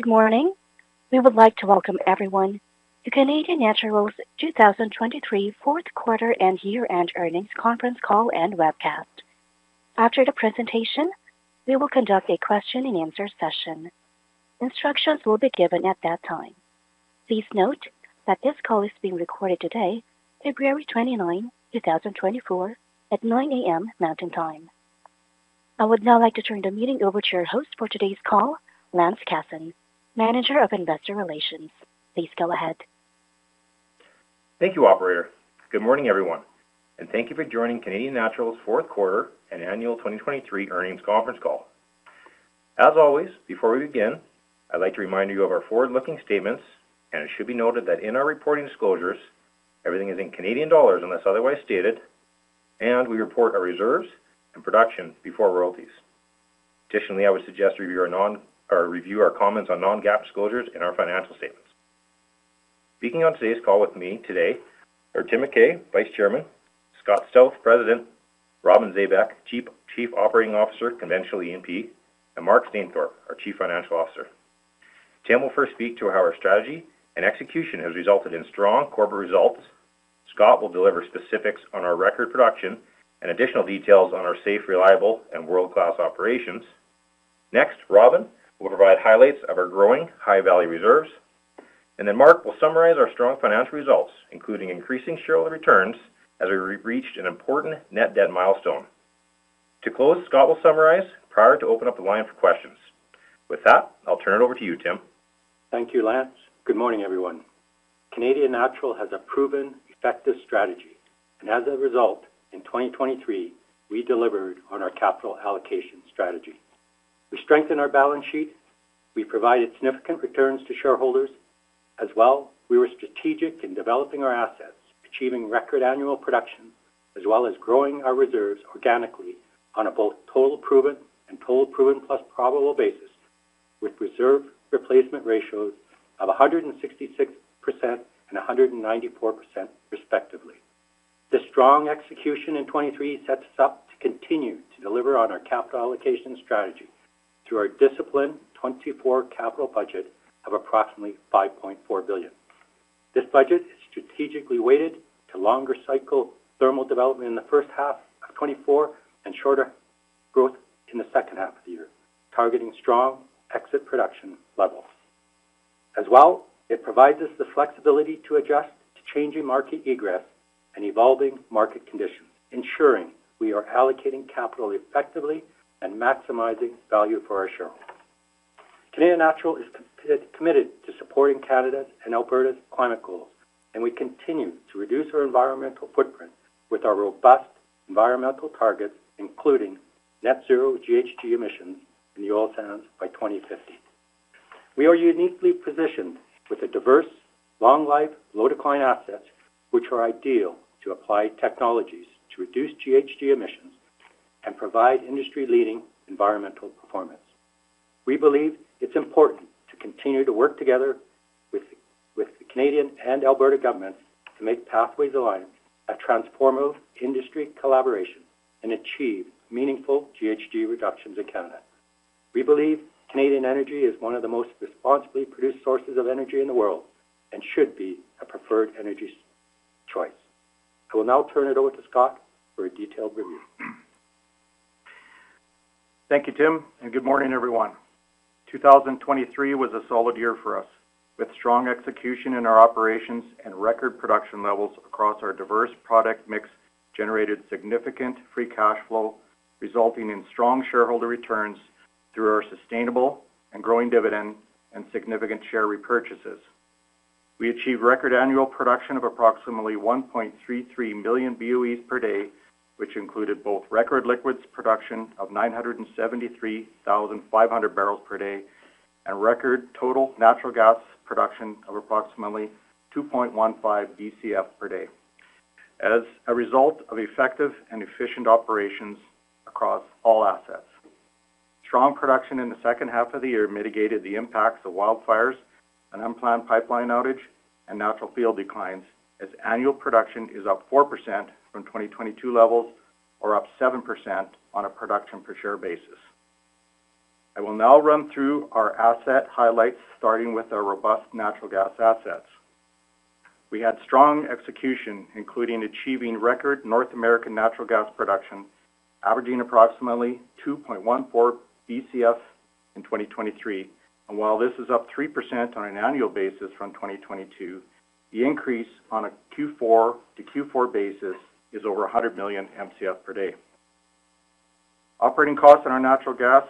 Good morning. We would like to welcome everyone to Canadian Natural's 2023 fourth quarter and year-end earnings conference call and webcast. After the presentation, we will conduct a question-and-answer session. Instructions will be given at that time. Please note that this call is being recorded today, February 29, 2024, at 9:00 A.M. Mountain Time. I would now like to turn the meeting over to your host for today's call, Lance Casson, Manager of Investor Relations. Please go ahead. Thank you, operator. Good morning, everyone, and thank you for joining Canadian Natural's fourth quarter and annual 2023 earnings conference call. As always, before we begin, I'd like to remind you of our forward-looking statements, and it should be noted that in our reporting disclosures, everything is in Canadian dollars unless otherwise stated, and we report our reserves and production before royalties. Additionally, I would suggest review our comments on non-GAAP disclosures in our financial statements. Speaking on today's call with me today are Tim McKay, Vice Chairman; Scott Stauth, President; Robin Zabek, Chief Operating Officer, Conventional E&P; and Mark Stainthorpe, our Chief Financial Officer. Tim will first speak to how our strategy and execution has resulted in strong corporate results. Scott will deliver specifics on our record production and additional details on our safe, reliable, and world-class operations. Next, Robin will provide highlights of our growing, high-value reserves. And then Mark will summarize our strong financial results, including increasing shareholder returns as we reached an important net debt milestone. To close, Scott will summarize prior to open up the line for questions. With that, I'll turn it over to you, Tim. Thank you, Lance. Good morning, everyone. Canadian Natural has a proven, effective strategy, and as a result, in 2023, we delivered on our capital allocation strategy. We strengthened our balance sheet. We provided significant returns to shareholders. As well, we were strategic in developing our assets, achieving record annual production, as well as growing our reserves organically on a both total-proven and total-proven-plus-probable basis, with reserve replacement ratios of 166% and 194%, respectively. This strong execution in 2023 sets us up to continue to deliver on our capital allocation strategy through our disciplined 2024 capital budget of approximately $5.4 billion. This budget is strategically weighted to longer-cycle thermal development in the first half of 2024 and shorter growth in the second half of the year, targeting strong exit production levels. As well, it provides us the flexibility to adjust to changing market egress and evolving market conditions, ensuring we are allocating capital effectively and maximizing value for our shareholders. Canadian Natural is committed to supporting Canada's and Alberta's climate goals, and we continue to reduce our environmental footprint with our robust environmental targets, including net-zero GHG emissions in the oil sands by 2050. We are uniquely positioned with a diverse, long-life, low-decline asset, which are ideal to apply technologies to reduce GHG emissions and provide industry-leading environmental performance. We believe it's important to continue to work together with the Canadian and Alberta governments to make pathways aligned at transformative industry collaboration and achieve meaningful GHG reductions in Canada. We believe Canadian energy is one of the most responsibly produced sources of energy in the world and should be a preferred energy choice. I will now turn it over to Scott for a detailed review. Thank you, Tim, and good morning, everyone. 2023 was a solid year for us, with strong execution in our operations and record production levels across our diverse product mix, generated significant free cash flow, resulting in strong shareholder returns through our sustainable and growing dividend and significant share repurchases. We achieved record annual production of approximately 1.33 million BOEs per day, which included both record liquids production of 973,500 barrels per day and record total natural gas production of approximately 2.15 BCF per day, as a result of effective and efficient operations across all assets. Strong production in the second half of the year mitigated the impacts of wildfires, an unplanned pipeline outage, and natural field declines, as annual production is up 4% from 2022 levels or up 7% on a production-per-share basis. I will now run through our asset highlights, starting with our robust natural gas assets. We had strong execution, including achieving record North American natural gas production, averaging approximately 2.14 BCF in 2023. While this is up 3% on an annual basis from 2022, the increase on a Q4 to Q4 basis is over 100 million MCF per day. Operating costs on our natural gas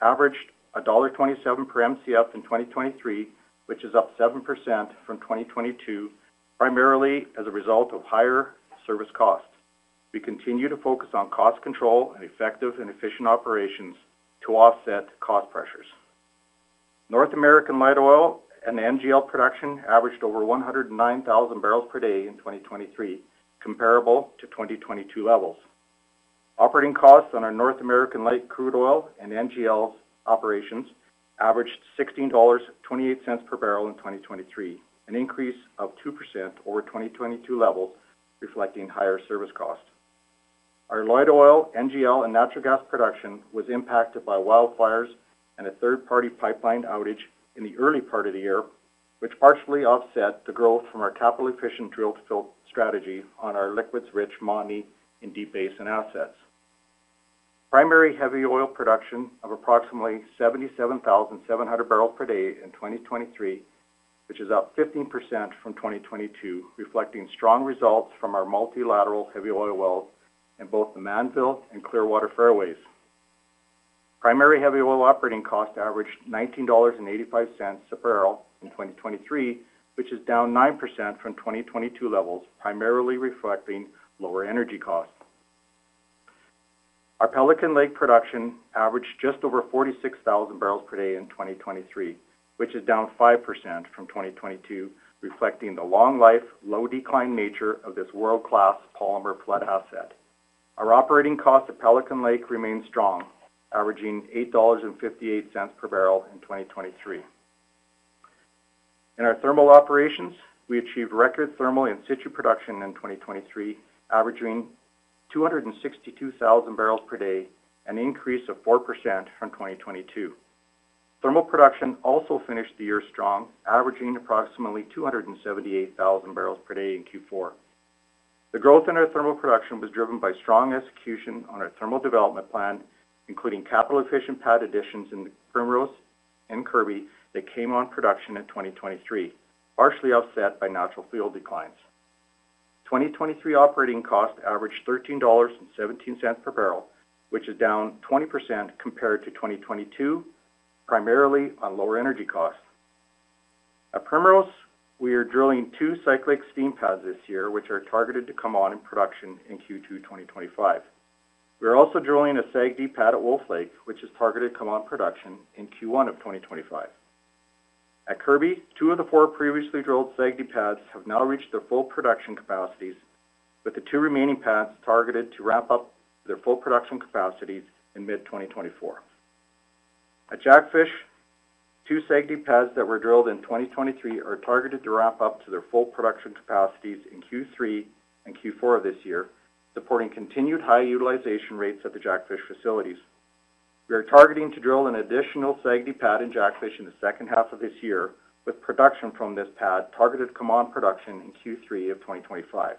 averaged $1.27 per MCF in 2023, which is up 7% from 2022, primarily as a result of higher service costs. We continue to focus on cost control and effective and efficient operations to offset cost pressures. North American light oil and NGL production averaged over 109,000 barrels per day in 2023, comparable to 2022 levels. Operating costs on our North American light crude oil and NGL operations averaged $16.28 per barrel in 2023, an increase of 2% over 2022 levels, reflecting higher service costs. Our light oil, NGL, and natural gas production was impacted by wildfires and a third-party pipeline outage in the early part of the year, which partially offset the growth from our capital-efficient drill-to-fill strategy on our liquids-rich Montney in Deep Basin assets. Primary heavy oil production of approximately 77,700 barrels per day in 2023, which is up 15% from 2022, reflecting strong results from our multilateral heavy oil wells in both the Mannville and Clearwater fairways. Primary heavy oil operating costs averaged $19.85 per barrel in 2023, which is down 9% from 2022 levels, primarily reflecting lower energy costs. Our Pelican Lake production averaged just over 46,000 barrels per day in 2023, which is down 5% from 2022, reflecting the long-life, low-decline nature of this world-class polymer flood asset. Our operating costs at Pelican Lake remain strong, averaging $8.58 per barrel in 2023. In our thermal operations, we achieved record thermal in-situ production in 2023, averaging 262,000 barrels per day, an increase of 4% from 2022. Thermal production also finished the year strong, averaging approximately 278,000 barrels per day in Q4. The growth in our thermal production was driven by strong execution on our thermal development plan, including capital-efficient pad additions in the Primrose and Kirby that came on production in 2023, partially offset by natural field declines. 2023 operating costs averaged 13.17 dollars per barrel, which is down 20% compared to 2022, primarily on lower energy costs. At Primrose, we are drilling two cyclic steam pads this year, which are targeted to come on in production in Q2 2025. We are also drilling a SAGD pad at Wolf Lake, which is targeted to come on production in Q1 of 2025. At Kirby, two of the four previously drilled SAGD pads have now reached their full production capacities, with the two remaining pads targeted to wrap up their full production capacities in mid-2024. At Jackfish, two SAGD pads that were drilled in 2023 are targeted to wrap up to their full production capacities in Q3 and Q4 of this year, supporting continued high utilization rates at the Jackfish facilities. We are targeting to drill an additional SAGD pad in Jackfish in the second half of this year, with production from this pad targeted to come on production in Q3 of 2025.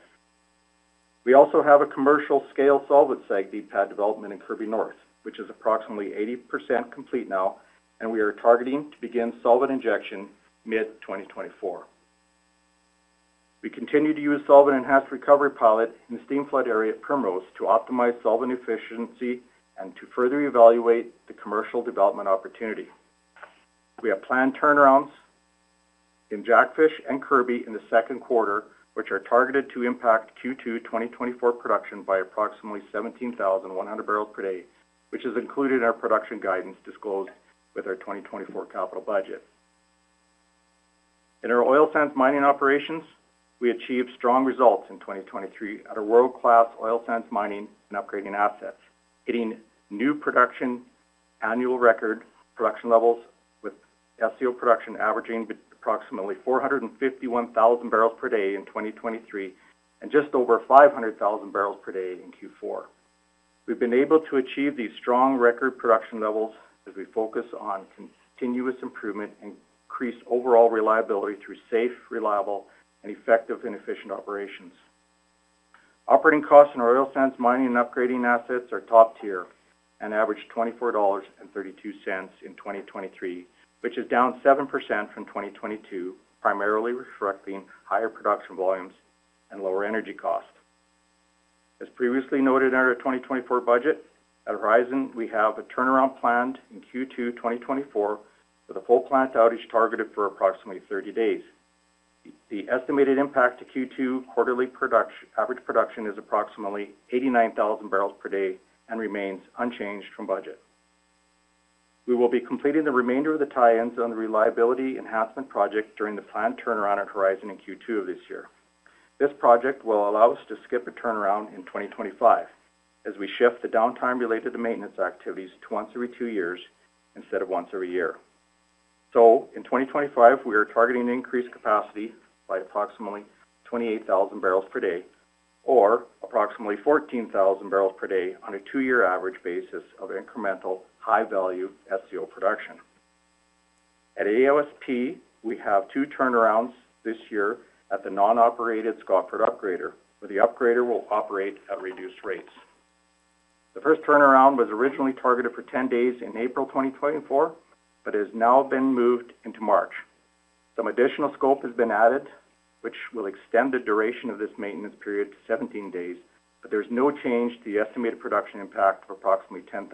We also have a commercial-scale solvent SAGD pad development in Kirby North, which is approximately 80% complete now, and we are targeting to begin solvent injection mid-2024. We continue to use solvent enhanced recovery pilot in the steam flood area at Primrose to optimize solvent efficiency and to further evaluate the commercial development opportunity. We have planned turnarounds in Jackfish and Kirby in the second quarter, which are targeted to impact Q2 2024 production by approximately 17,100 barrels per day, which is included in our production guidance disclosed with our 2024 capital budget. In our oil sands mining operations, we achieved strong results in 2023 at our world-class oil sands mining and upgrading assets, hitting new annual record production levels, with SCO production averaging approximately 451,000 barrels per day in 2023 and just over 500,000 barrels per day in Q4. We've been able to achieve these strong record production levels as we focus on continuous improvement and increased overall reliability through safe, reliable, and effective and efficient operations. Operating costs in our oil sands mining and upgrading assets are top tier and average $24.32 in 2023, which is down 7% from 2022, primarily reflecting higher production volumes and lower energy costs. As previously noted in our 2024 budget, at Horizon, we have a turnaround planned in Q2 2024 with a full plant outage targeted for approximately 30 days. The estimated impact to Q2 quarterly average production is approximately 89,000 barrels per day and remains unchanged from budget. We will be completing the remainder of the tie-ins on the reliability enhancement project during the planned turnaround at Horizon in Q2 of this year. This project will allow us to skip a turnaround in 2025 as we shift the downtime related to maintenance activities to once every two years instead of once every year. So in 2025, we are targeting to increase capacity by approximately 28,000 barrels per day or approximately 14,000 barrels per day on a two-year average basis of incremental high-value SCO production. At AOSP, we have two turnarounds this year at the non-operated Scotford upgrader, where the upgrader will operate at reduced rates. The first turnaround was originally targeted for 10 days in April 2024 but has now been moved into March. Some additional scope has been added, which will extend the duration of this maintenance period to 17 days, but there's no change to the estimated production impact of approximately 10,000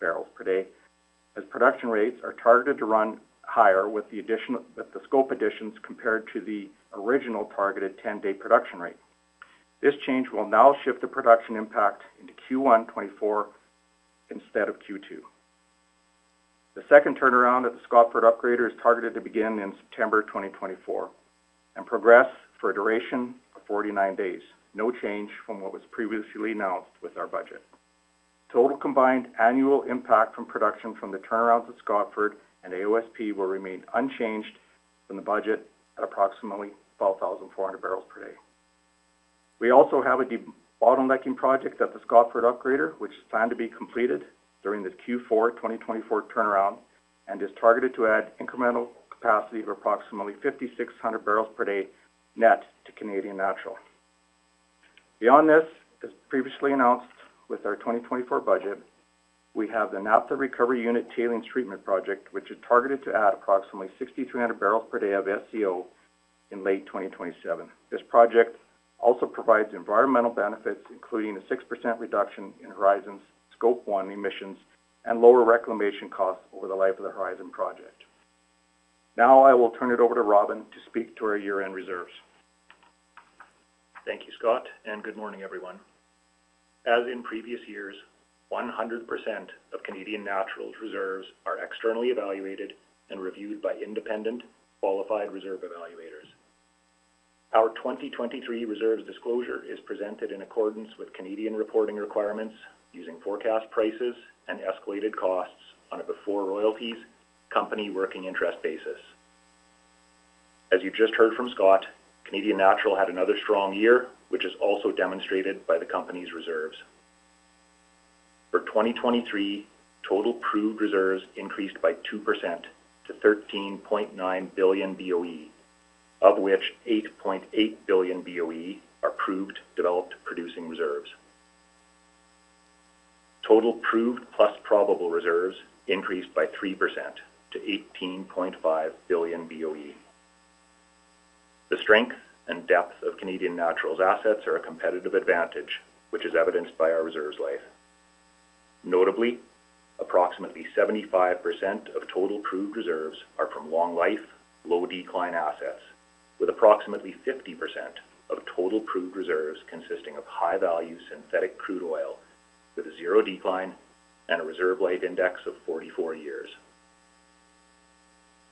barrels per day as production rates are targeted to run higher with the scope additions compared to the original targeted 10-day production rate. This change will now shift the production impact into Q1 2024 instead of Q2. The second turnaround at the Scotford upgrader is targeted to begin in September 2024 and progress for a duration of 49 days, no change from what was previously announced with our budget. Total combined annual impact from production from the turnarounds at Scotford and AOSP will remain unchanged from the budget at approximately 12,400 barrels per day. We also have a bottlenecking project at the Scotford upgrader, which is planned to be completed during the Q4 2024 turnaround and is targeted to add incremental capacity of approximately 5,600 barrels per day net to Canadian Natural. Beyond this, as previously announced with our 2024 budget, we have the naphtha recovery unit tailings treatment project, which is targeted to add approximately 6,300 barrels per day of SCO in late 2027. This project also provides environmental benefits, including a 6% reduction in Horizon's Scope 1 Emissions and lower reclamation costs over the life of the Horizon project. Now I will turn it over to Robin to speak to our year-end reserves. Thank you, Scott, and good morning, everyone. As in previous years, 100% of Canadian Natural's reserves are externally evaluated and reviewed by independent, qualified reserve evaluators. Our 2023 reserves disclosure is presented in accordance with Canadian reporting requirements using forecast prices and escalated costs on a before royalties company-working interest basis. As you just heard from Scott, Canadian Natural had another strong year, which is also demonstrated by the company's reserves. For 2023, total proved reserves increased by 2% to 13.9 billion BOE, of which 8.8 billion BOE are proved developed producing reserves. Total proved plus probable reserves increased by 3% to 18.5 billion BOE. The strength and depth of Canadian Natural's assets are a competitive advantage, which is evidenced by our reserves life. Notably, approximately 75% of total proved reserves are from long-life, low-decline assets, with approximately 50% of total proved reserves consisting of high-value synthetic crude oil with zero decline and a reserve life index of 44 years.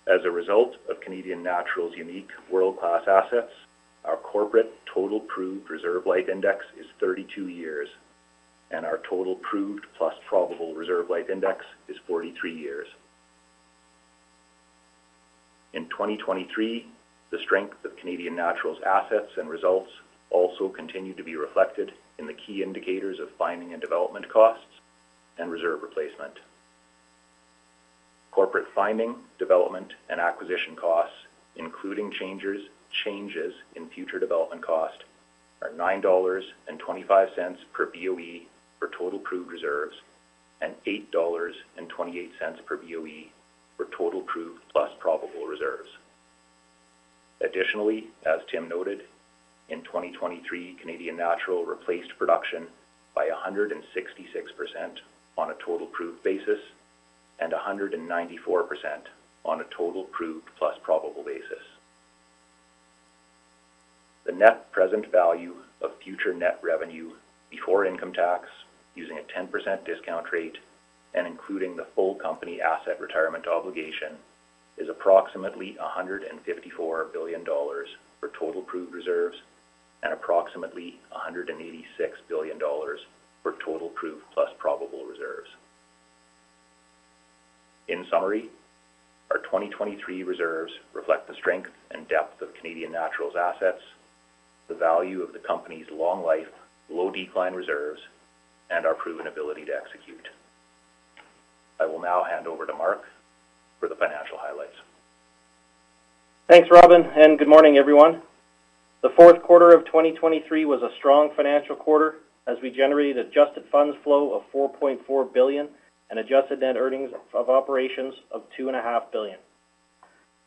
As a result of Canadian Natural's unique world-class assets, our corporate total proved reserve life index is 32 years, and our total proved plus probable reserve life index is 43 years. In 2023, the strength of Canadian Natural's assets and results also continued to be reflected in the key indicators of finding and development costs and reserve replacement. Corporate finding, development, and acquisition costs, including changes in future development cost, are $9.25 per BOE for total proved reserves and $8.28 per BOE for total proved plus probable reserves. Additionally, as Tim noted, in 2023, Canadian Natural replaced production by 166% on a total proved basis and 194% on a total proved plus probable basis. The net present value of future net revenue before income tax using a 10% discount rate and including the full company asset retirement obligation is approximately 154 billion dollars for total proved reserves and approximately 186 billion dollars for total proved plus probable reserves. In summary, our 2023 reserves reflect the strength and depth of Canadian Natural's assets, the value of the company's long-life, low-decline reserves, and our proven ability to execute. I will now hand over to Mark for the financial highlights. Thanks, Robin, and good morning, everyone. The fourth quarter of 2023 was a strong financial quarter as we generated adjusted funds flow of 4.4 billion and adjusted net earnings of operations of 2.5 billion.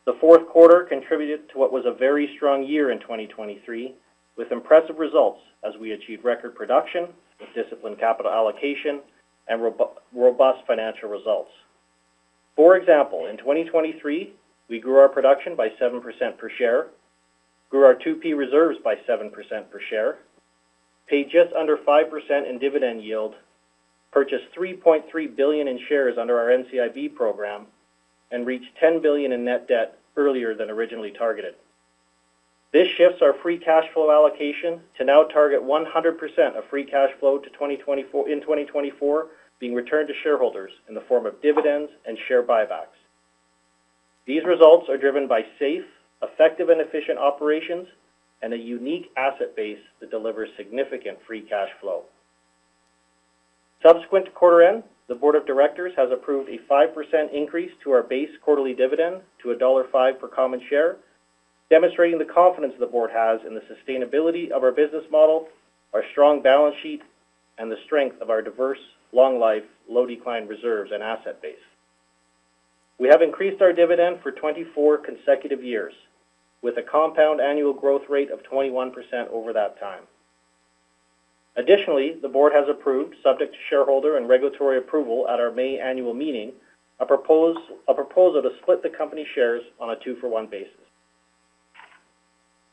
The fourth quarter contributed to what was a very strong year in 2023 with impressive results as we achieved record production with disciplined capital allocation and robust financial results. For example, in 2023, we grew our production by 7% per share, grew our 2P reserves by 7% per share, paid just under 5% in dividend yield, purchased 3.3 billion in shares under our NCIB program, and reached 10 billion in net debt earlier than originally targeted. This shifts our free cash flow allocation to now target 100% of free cash flow in 2024 being returned to shareholders in the form of dividends and share buybacks. These results are driven by safe, effective, and efficient operations and a unique asset base that delivers significant free cash flow. Subsequent to quarter end, the board of directors has approved a 5% increase to our base quarterly dividend to dollar 1.05 per common share, demonstrating the confidence the board has in the sustainability of our business model, our strong balance sheet, and the strength of our diverse, long-life, low-decline reserves and asset base. We have increased our dividend for 24 consecutive years with a compound annual growth rate of 21% over that time. Additionally, the board has approved, subject to shareholder and regulatory approval at our May annual meeting, a proposal to split the company shares on a 2-for-1 basis.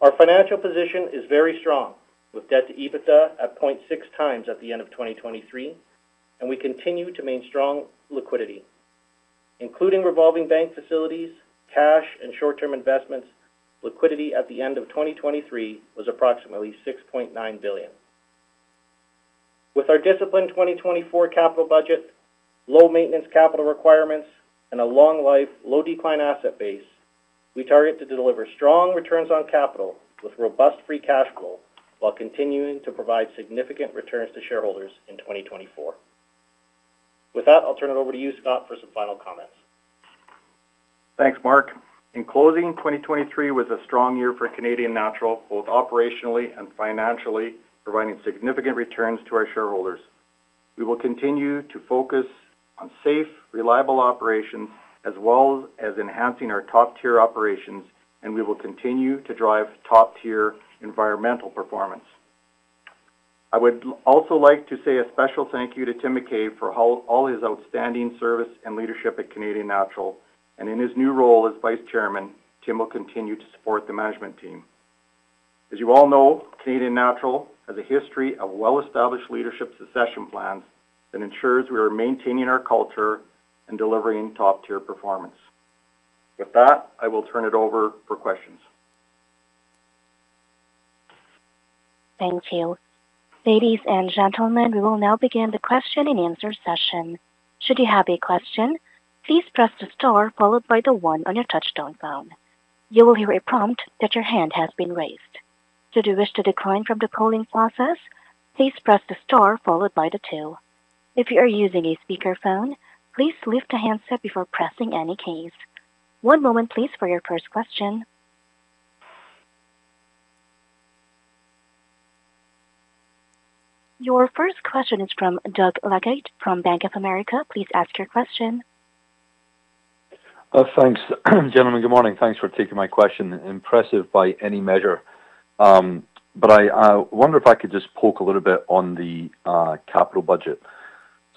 Our financial position is very strong with debt to EBITDA at 0.6x at the end of 2023, and we continue to maintain strong liquidity. Including revolving bank facilities, cash, and short-term investments, liquidity at the end of 2023 was approximately 6.9 billion. With our disciplined 2024 capital budget, low maintenance capital requirements, and a long-life, low-decline asset base, we target to deliver strong returns on capital with robust free cash flow while continuing to provide significant returns to shareholders in 2024. With that, I'll turn it over to you, Scott, for some final comments. Thanks, Mark. In closing, 2023 was a strong year for Canadian Natural, both operationally and financially, providing significant returns to our shareholders. We will continue to focus on safe, reliable operations as well as enhancing our top-tier operations, and we will continue to drive top-tier environmental performance. I would also like to say a special thank you to Tim McKay for all his outstanding service and leadership at Canadian Natural, and in his new role as Vice Chairman, Tim will continue to support the management team. As you all know, Canadian Natural has a history of well-established leadership succession plans that ensures we are maintaining our culture and delivering top-tier performance. With that, I will turn it over for questions. Thank you. Ladies and gentlemen, we will now begin the question and answer session. Should you have a question, please press the star followed by the one on your touch-tone phone. You will hear a prompt that your hand has been raised. Should you wish to decline from the polling process, please press the star followed by the two. If you are using a speakerphone, please lift the handset before pressing any keys. One moment, please, for your first question. Your first question is from Doug Leggett from Bank of America. Please ask your question. Thanks, gentlemen. Good morning. Thanks for taking my question. Impressive by any measure. But I wonder if I could just poke a little bit on the capital budget.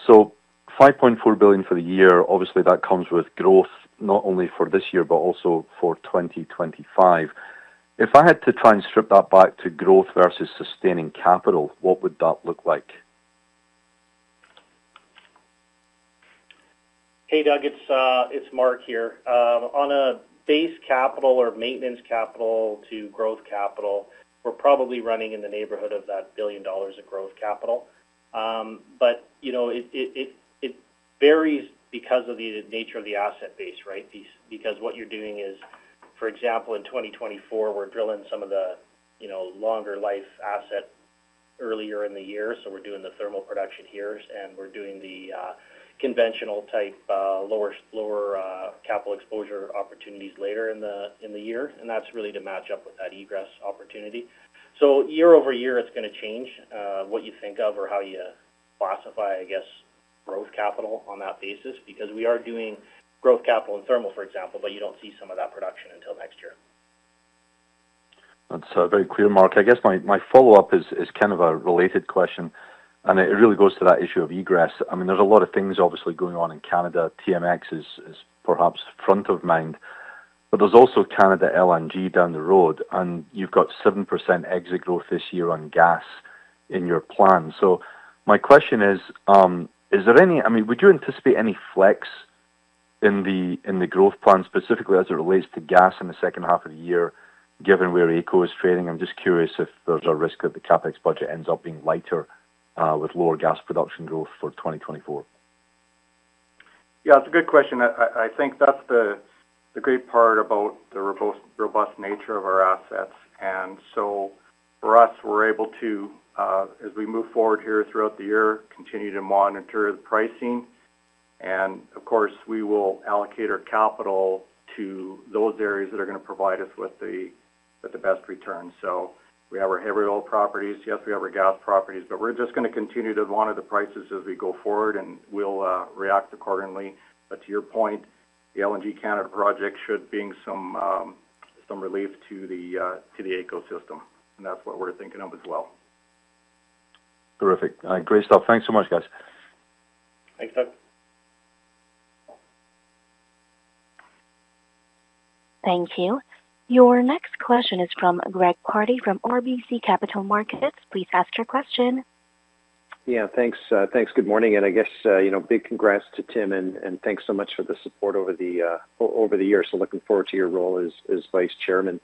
So 5.4 billion for the year, obviously, that comes with growth not only for this year but also for 2025. If I had to transcribe that back to growth versus sustaining capital, what would that look like? Hey, Doug. It's Mark here. On a base capital or maintenance capital to growth capital, we're probably running in the neighborhood of 1 billion dollars of growth capital. But it varies because of the nature of the asset base, right? Because what you're doing is, for example, in 2024, we're drilling some of the longer-life asset earlier in the year. So we're doing the thermal production here, and we're doing the conventional type lower capital exposure opportunities later in the year. And that's really to match up with that egress opportunity. So year-over-year, it's going to change what you think of or how you classify, I guess, growth capital on that basis because we are doing growth capital in thermal, for example, but you don't see some of that production until next year. That's very clear, Mark. I guess my follow-up is kind of a related question, and it really goes to that issue of egress. I mean, there's a lot of things, obviously, going on in Canada. TMX is perhaps front of mind, but there's also Canada LNG down the road, and you've got 7% exit growth this year on gas in your plan. So my question is, is there any—I mean, would you anticipate any flex in the growth plan specifically as it relates to gas in the second half of the year given where AECO is trading? I'm just curious if there's a risk that the CapEx budget ends up being lighter with lower gas production growth for 2024. Yeah, that's a good question. I think that's the great part about the robust nature of our assets. And so for us, we're able to, as we move forward here throughout the year, continue to monitor the pricing. And of course, we will allocate our capital to those areas that are going to provide us with the best return. So we have our heavy oil properties. Yes, we have our gas properties, but we're just going to continue to monitor the prices as we go forward, and we'll react accordingly. But to your point, the LNG Canada project should bring some relief to the ecosystem, and that's what we're thinking of as well. Terrific. Great, Scott. Thanks so much, guys. Thanks, Doug. Thank you. Your next question is from Greg Pardy from RBC Capital Markets. Please ask your question. Yeah, thanks. Good morning. And I guess big congrats to Tim, and thanks so much for the support over the year. So looking forward to your role as Vice Chairman.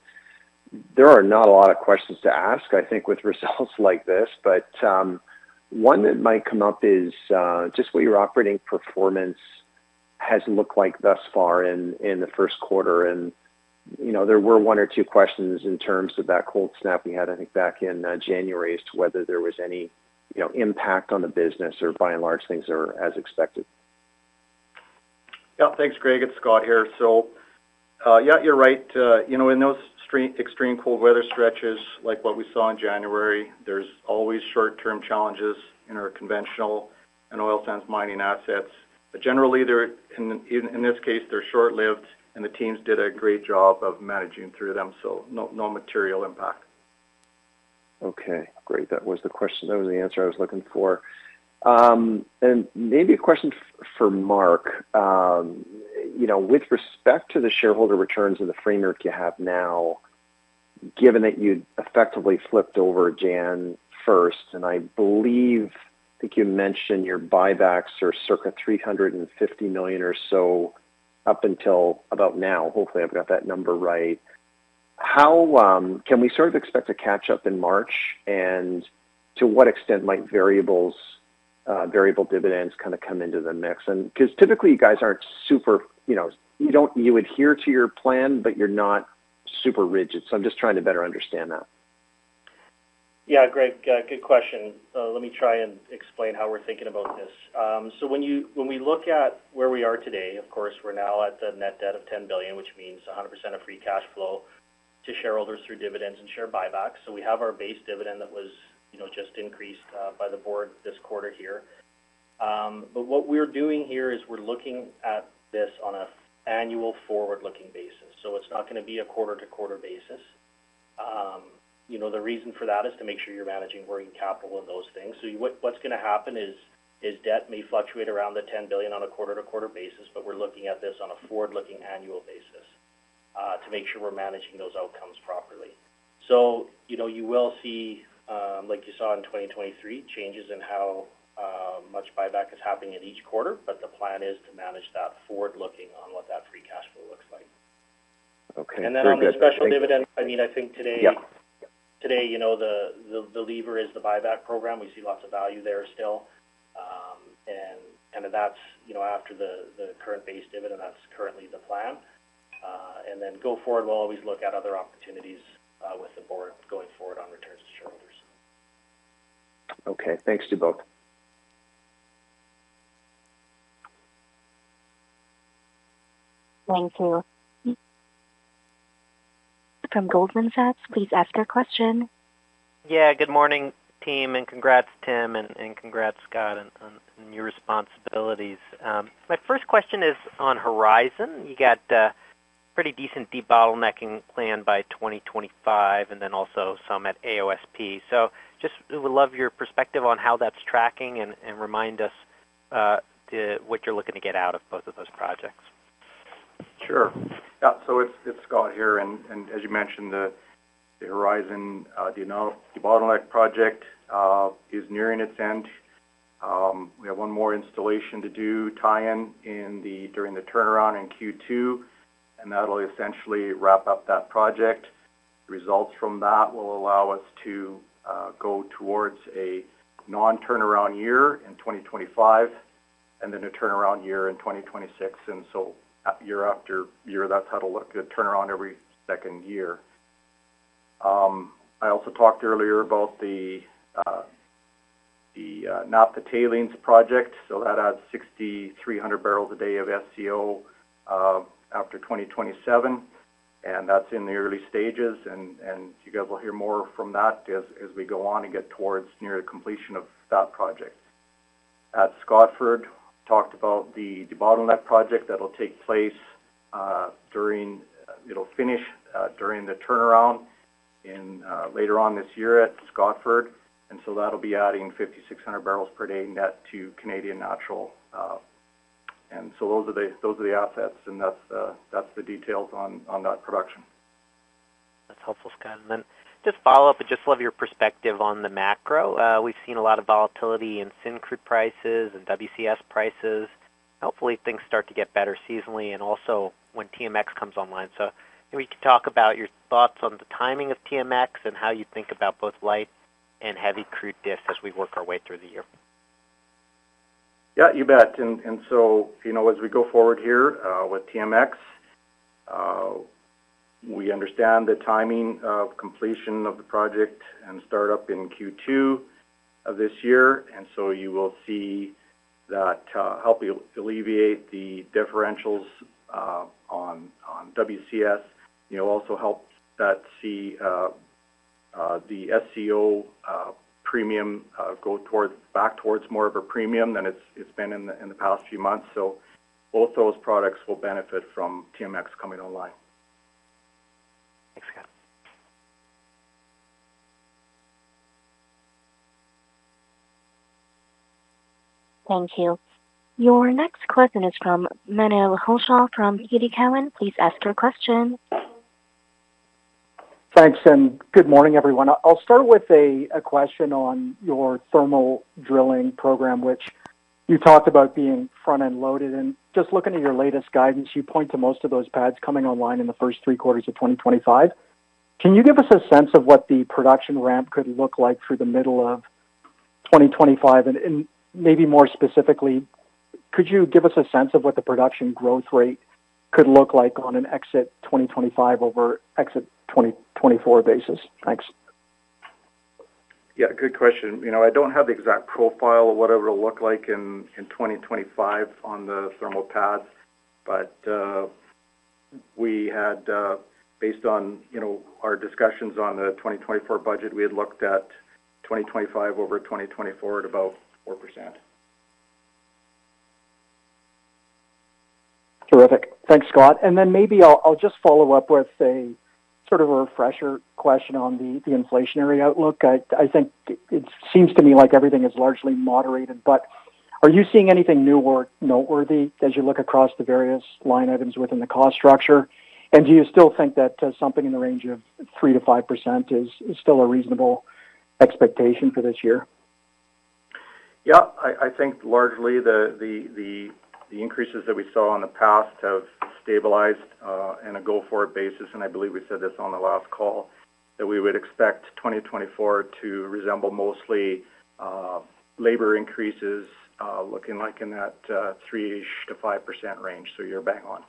There are not a lot of questions to ask, I think, with results like this. But one that might come up is just what your operating performance has looked like thus far in the first quarter. And there were one or two questions in terms of that cold snap we had, I think, back in January as to whether there was any impact on the business or, by and large, things are as expected. Yeah, thanks, Greg. It's Scott here. So yeah, you're right. In those extreme cold weather stretches like what we saw in January, there's always short-term challenges in our conventional and oil sands mining assets. But generally, in this case, they're short-lived, and the teams did a great job of managing through them, so no material impact. Okay, great. That was the question. That was the answer I was looking for. And maybe a question for Mark. With respect to the shareholder returns and the framework you have now, given that you effectively flipped over January 1st, and I believe you mentioned your buybacks are circa 350 million or so up until about now. Hopefully, I've got that number right. Can we sort of expect a catch-up in March, and to what extent might variable dividends kind of come into the mix? Because typically, you guys aren't super you adhere to your plan, but you're not super rigid. So I'm just trying to better understand that. Yeah, great. Good question. Let me try and explain how we're thinking about this. So when we look at where we are today, of course, we're now at the net debt of 10 billion, which means 100% of free cash flow to shareholders through dividends and share buybacks. So we have our base dividend that was just increased by the board this quarter here. But what we're doing here is we're looking at this on an annual forward-looking basis. So it's not going to be a quarter-to-quarter basis. The reason for that is to make sure you're managing working capital and those things. So what's going to happen is debt may fluctuate around the 10 billion on a quarter-to-quarter basis, but we're looking at this on a forward-looking annual basis to make sure we're managing those outcomes properly. So you will see, like you saw in 2023, changes in how much buyback is happening in each quarter, but the plan is to manage that forward-looking on what that free cash flow looks like. And then on the special dividend, I mean, I think today the lever is the buyback program. We see lots of value there still. And kind of that's after the current base dividend. That's currently the plan. And then go forward, we'll always look at other opportunities with the board going forward on returns to shareholders. Okay. Thanks to both. Thank you. From Goldman Sachs, please ask your question. Yeah, good morning, team, and congrats, Tim, and congrats, Scott, on your responsibilities. My first question is on Horizon. You got a pretty decent debottlenecking plan by 2025 and then also some at AOSP. So just we would love your perspective on how that's tracking and remind us what you're looking to get out of both of those projects. Sure. Yeah, so it's Scott here. And as you mentioned, the Horizon debottleneck project is nearing its end. We have one more installation to do, tie-in during the turnaround in Q2, and that'll essentially wrap up that project. Results from that will allow us to go towards a non-turnaround year in 2025 and then a turnaround year in 2026. And so year after year, that's how it'll look, a turnaround every second year. I also talked earlier about the tailings project. So that adds 6,300 barrels a day of SCO after 2027, and that's in the early stages. And you guys will hear more from that as we go on and get towards near the completion of that project. At Scotford, talked about the debottleneck project that'll take place during it'll finish during the turnaround later on this year at Scotford. That'll be adding 5,600 barrels per day net to Canadian Natural. Those are the assets, and that's the details on that production. That's helpful, Scott. And then just follow up, I'd just love your perspective on the macro. We've seen a lot of volatility in Syncrude prices and WCS prices. Hopefully, things start to get better seasonally and also when TMX comes online. So maybe you could talk about your thoughts on the timing of TMX and how you think about both light and heavy crude diffs as we work our way through the year. Yeah, you bet. And so as we go forward here with TMX, we understand the timing of completion of the project and startup in Q2 of this year. And so you will see that help alleviate the differentials on WCS, also help that see the SCO premium go back towards more of a premium than it's been in the past few months. So both those products will benefit from TMX coming online. Thanks, Scott. Thank you. Your next question is from Menno Hulshof from TD Cowen. Please ask your question. Thanks, and good morning, everyone. I'll start with a question on your thermal drilling program, which you talked about being front-end loaded. And just looking at your latest guidance, you point to most of those pads coming online in the first three quarters of 2025. Can you give us a sense of what the production ramp could look like through the middle of 2025? And maybe more specifically, could you give us a sense of what the production growth rate could look like on an exit 2025 over exit 2024 basis? Thanks. Yeah, good question. I don't have the exact profile of what it'll look like in 2025 on the thermal pads, but based on our discussions on the 2024 budget, we had looked at 2025 over 2024 at about 4%. Terrific. Thanks, Scott. And then maybe I'll just follow up with sort of a refresher question on the inflationary outlook. It seems to me like everything is largely moderated. But are you seeing anything new or noteworthy as you look across the various line items within the cost structure? And do you still think that something in the range of 3%-5% is still a reasonable expectation for this year? Yeah, I think largely the increases that we saw in the past have stabilized on a go-forward basis. I believe we said this on the last call, that we would expect 2024 to resemble mostly labor increases looking like in that 3%-5% range. So you're bang on.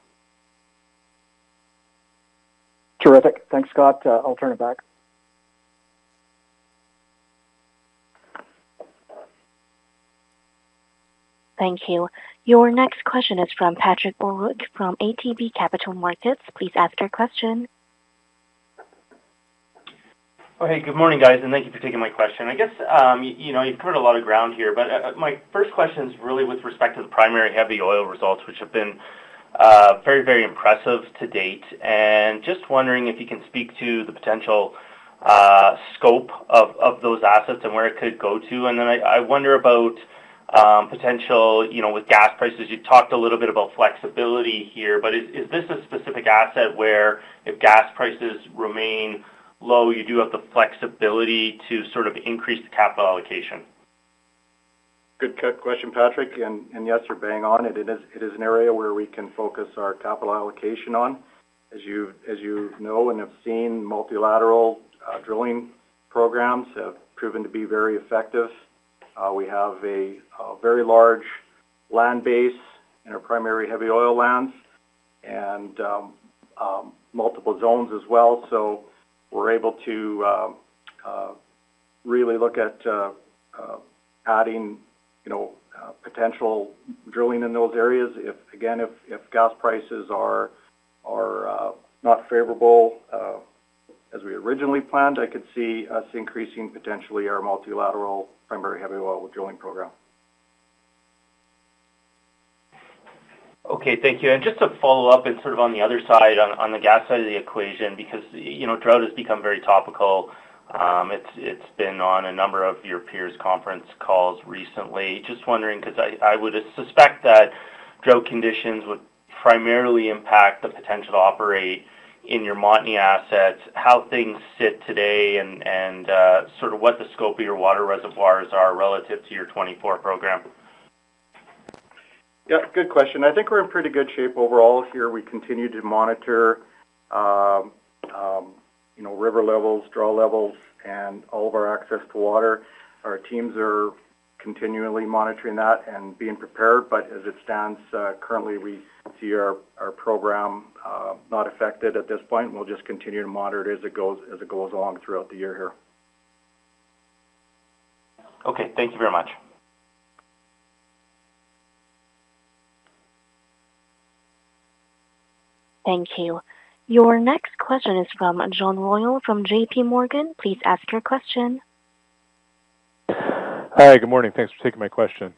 Terrific. Thanks, Scott. I'll turn it back. Thank you. Your next question is from Patrick O'Rourke from ATB Capital Markets. Please ask your question. Oh, hey. Good morning, guys, and thank you for taking my question. I guess you've covered a lot of ground here, but my first question is really with respect to the primary heavy oil results, which have been very, very impressive to date. Just wondering if you can speak to the potential scope of those assets and where it could go to. Then I wonder about potential with gas prices. You talked a little bit about flexibility here, but is this a specific asset where if gas prices remain low, you do have the flexibility to sort of increase the capital allocation? Good question, Patrick. And yes, you're bang on. It is an area where we can focus our capital allocation on. As you know and have seen, multilateral drilling programs have proven to be very effective. We have a very large land base in our primary heavy oil lands and multiple zones as well. So we're able to really look at adding potential drilling in those areas. Again, if gas prices are not favorable as we originally planned, I could see us increasing potentially our multilateral primary heavy oil drilling program. Okay, thank you. Just to follow up and sort of on the other side, on the gas side of the equation, because drought has become very topical, it's been on a number of your peers' conference calls recently. Just wondering because I would suspect that drought conditions would primarily impact the potential to operate in your Montney assets. How things sit today and sort of what the scope of your water reservoirs are relative to your 2024 program? Yeah, good question. I think we're in pretty good shape overall here. We continue to monitor river levels, draw levels, and all of our access to water. Our teams are continually monitoring that and being prepared. But as it stands currently, we see our program not affected at this point. We'll just continue to monitor it as it goes along throughout the year here. Okay, thank you very much. Thank you. Your next question is from John Royall from JP Morgan. Please ask your question. Hi, good morning. Thanks for taking my question.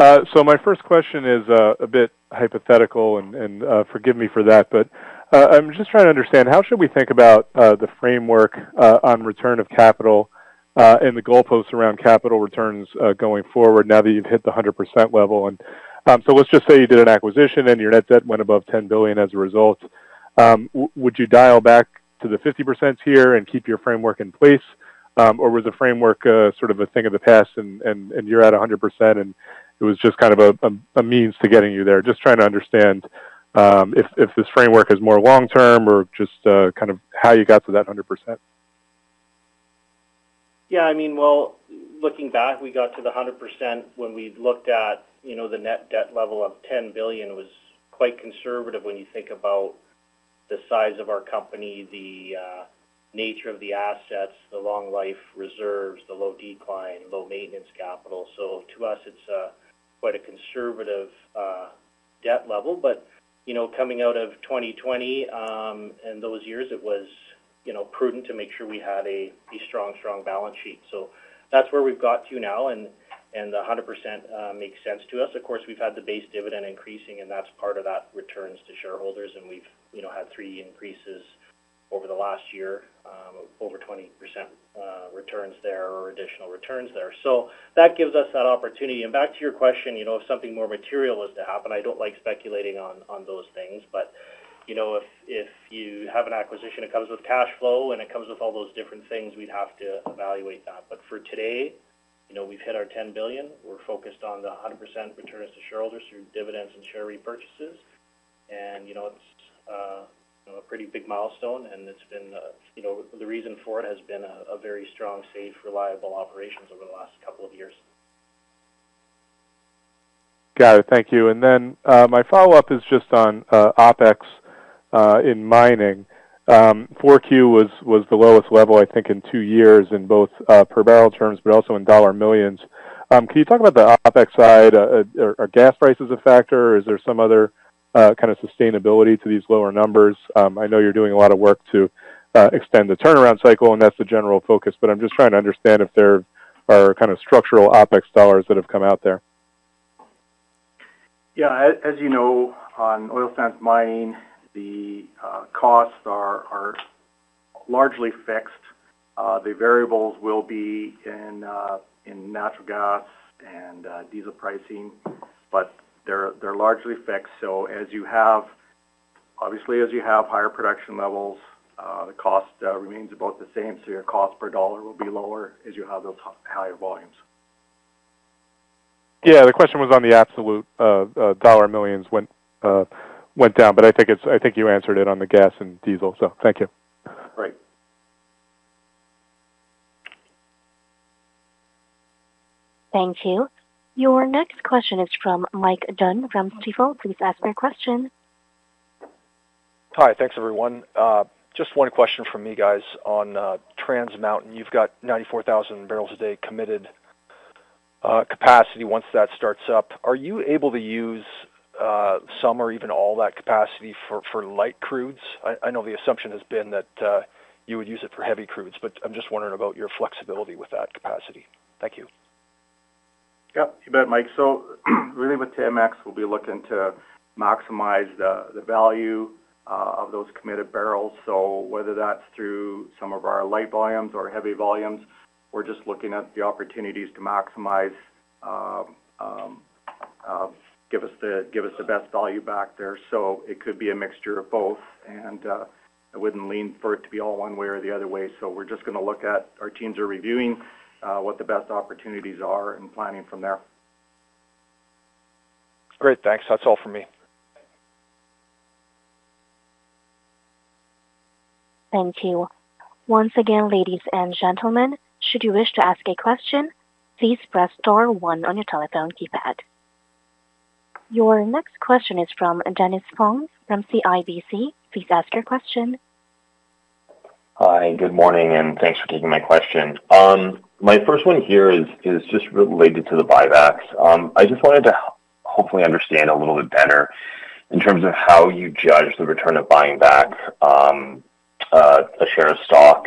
So my first question is a bit hypothetical, and forgive me for that, but I'm just trying to understand, how should we think about the framework on return of capital and the goalposts around capital returns going forward now that you've hit the 100% level? And so let's just say you did an acquisition and your net debt went above 10 billion as a result. Would you dial back to the 50% here and keep your framework in place, or was the framework sort of a thing of the past and you're at 100% and it was just kind of a means to getting you there? Just trying to understand if this framework is more long-term or just kind of how you got to that 100%. Yeah, I mean, well, looking back, we got to the 100% when we looked at the net debt level of 10 billion was quite conservative when you think about the size of our company, the nature of the assets, the long-life reserves, the low decline, low maintenance capital. So to us, it's quite a conservative debt level. But coming out of 2020 and those years, it was prudent to make sure we had a strong, strong balance sheet. So that's where we've got to now, and the 100% makes sense to us. Of course, we've had the base dividend increasing, and that's part of that returns to shareholders. And we've had three increases over the last year, over 20% returns there or additional returns there. So that gives us that opportunity. And back to your question, if something more material was to happen I don't like speculating on those things. If you have an acquisition, it comes with cash flow, and it comes with all those different things. We'd have to evaluate that. But for today, we've hit our 10 billion. We're focused on the 100% returns to shareholders through dividends and share repurchases. And it's a pretty big milestone, and the reason for it has been a very strong, safe, reliable operations over the last couple of years. Got it. Thank you. And then my follow-up is just on OpEx in mining. 4Q was the lowest level, I think, in two years in both per barrel terms but also in dollar millions. Can you talk about the OpEx side? Are gas prices a factor, or is there some other kind of sustainability to these lower numbers? I know you're doing a lot of work to extend the turnaround cycle, and that's the general focus. But I'm just trying to understand if there are kind of structural OpEx dollars that have come out there. Yeah, as you know, on oil sands mining, the costs are largely fixed. The variables will be in natural gas and diesel pricing, but they're largely fixed. So obviously, as you have higher production levels, the cost remains about the same. So your cost per dollar will be lower as you have those higher volumes. Yeah, the question was on the absolute. Dollar millions went down, but I think you answered it on the gas and diesel. Thank you. Great. Thank you. Your next question is from Mike Dunn from Stifel. Please ask your question. Hi, thanks, everyone. Just one question from me, guys. On Trans Mountain, you've got 94,000 barrels a day committed capacity. Once that starts up, are you able to use some or even all that capacity for light crudes? I know the assumption has been that you would use it for heavy crudes, but I'm just wondering about your flexibility with that capacity. Thank you. Yeah, you bet, Mike. So really, with TMX, we'll be looking to maximize the value of those committed barrels. So whether that's through some of our light volumes or heavy volumes, we're just looking at the opportunities to give us the best value back there. So it could be a mixture of both, and I wouldn't lean for it to be all one way or the other way. So we're just going to look at. Our teams are reviewing what the best opportunities are and planning from there. Great, thanks. That's all from me. Thank you. Once again, ladies and gentlemen, should you wish to ask a question, please press star one on your telephone keypad. Your next question is from Dennis Fong from CIBC. Please ask your question. Hi, good morning, and thanks for taking my question. My first one here is just related to the buybacks. I just wanted to hopefully understand a little bit better in terms of how you judge the return of buying back a share of stock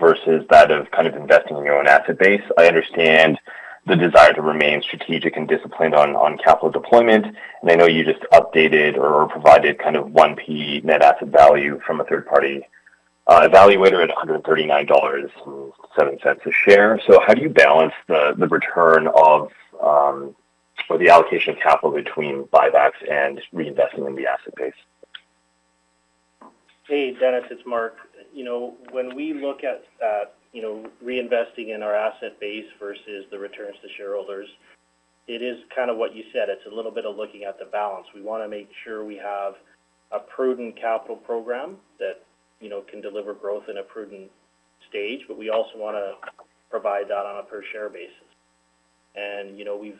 versus that of kind of investing in your own asset base. I understand the desire to remain strategic and disciplined on capital deployment, and I know you just updated or provided kind of 1P net asset value from a third-party evaluator at $139.07 a share. So how do you balance the return or the allocation of capital between buybacks and reinvesting in the asset base? Hey, Dennis, it's Mark. When we look at reinvesting in our asset base versus the returns to shareholders, it is kind of what you said. It's a little bit of looking at the balance. We want to make sure we have a prudent capital program that can deliver growth in a prudent stage, but we also want to provide that on a per-share basis. We've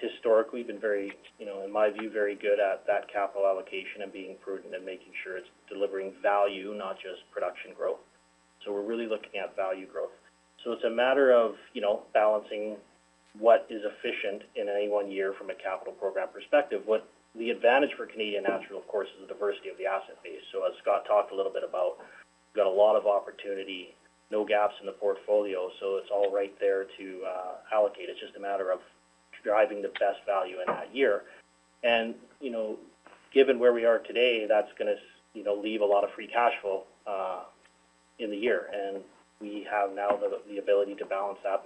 historically been very, in my view, very good at that capital allocation and being prudent and making sure it's delivering value, not just production growth. So we're really looking at value growth. So it's a matter of balancing what is efficient in any one year from a capital program perspective. The advantage for Canadian Natural, of course, is the diversity of the asset base. So as Scott talked a little bit about, we've got a lot of opportunity, no gaps in the portfolio, so it's all right there to allocate. It's just a matter of driving the best value in that year. And given where we are today, that's going to leave a lot of free cash flow in the year. And we have now the ability to balance that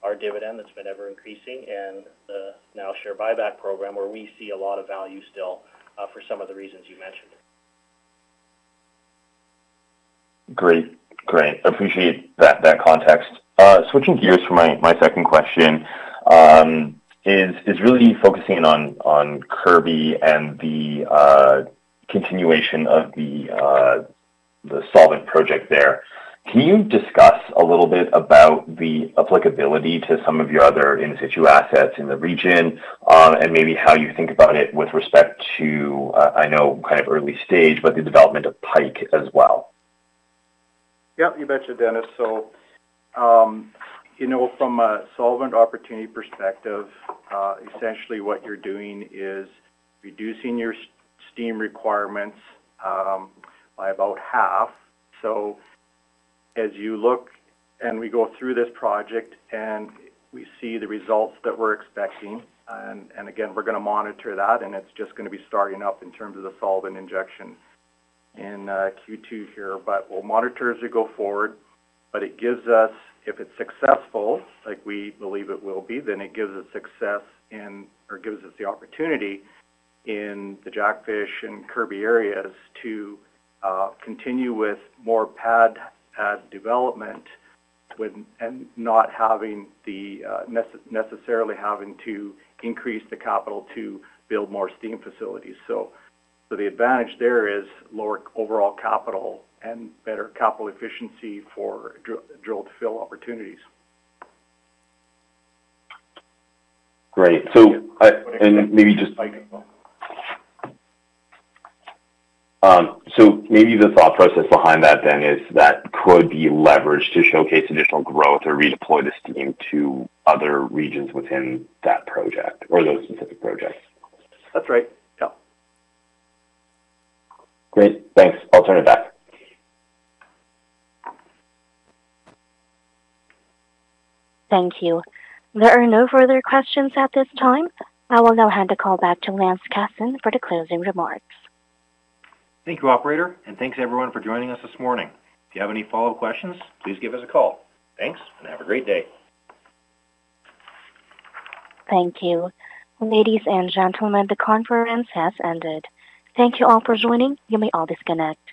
between our dividend that's been ever increasing and the now share buyback program where we see a lot of value still for some of the reasons you mentioned. Great, great. I appreciate that context. Switching gears for my second question is really focusing in on Kirby and the continuation of the Solvent project there. Can you discuss a little bit about the applicability to some of your other in-situ assets in the region and maybe how you think about it with respect to, I know, kind of early stage, but the development of Pike as well? Yeah, you bet you, Dennis. So from a Solvent opportunity perspective, essentially what you're doing is reducing your steam requirements by about half. So as you look and we go through this project and we see the results that we're expecting and again, we're going to monitor that, and it's just going to be starting up in terms of the Solvent injection in Q2 here. But we'll monitor as we go forward. But it gives us, if it's successful, like we believe it will be, then it gives us success or gives us the opportunity in the Jackfish and Kirby areas to continue with more pad development and not necessarily having to increase the capital to build more steam facilities. So the advantage there is lower overall capital and better capital efficiency for drill-to-fill opportunities. Great. And maybe just so the thought process behind that, then, is that could be leveraged to showcase additional growth or redeploy the steam to other regions within that project or those specific projects. That's right. Yeah. Great, thanks. I'll turn it back. Thank you. There are no further questions at this time. I will now hand the call back to Lance Casson for the closing remarks. Thank you, operator, and thanks, everyone, for joining us this morning. If you have any follow-up questions, please give us a call. Thanks and have a great day. Thank you. Ladies and gentlemen, the conference has ended. Thank you all for joining. You may all disconnect.